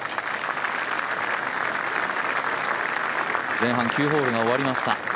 前半９ホールが終わりました